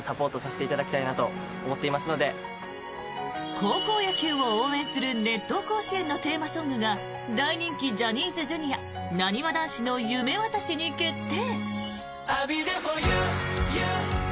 高校野球を応援する「熱闘甲子園」のテーマソングが大人気ジャニーズＪｒ．なにわ男子の「夢わたし」に決定！